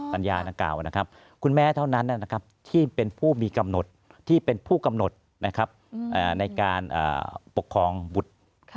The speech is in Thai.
สัญญาดังกล่าวนะครับคุณแม่เท่านั้นที่เป็นผู้มีกำหนดที่เป็นผู้กำหนดในการปกครองบุตร